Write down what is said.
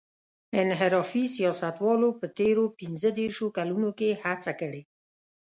انحرافي سیاستوالو په تېرو پينځه دېرشو کلونو کې هڅه کړې.